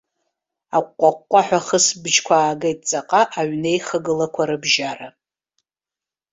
Аҟәҟәа-ҟәҟәаҳәа ахысыбжьқәа аагеит ҵаҟа, аҩнеихагылақәа рыбжьара.